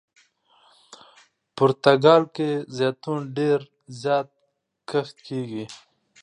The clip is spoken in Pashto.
پرتګال کې زیتون ډېر زیات کښت کیږي.